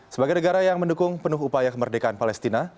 sebagai negara yang mendukung penuh upaya kemerdekaan palestina